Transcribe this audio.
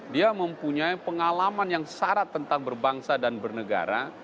dia mempunyai pengalaman yang syarat tentang berbangsa dan bernegara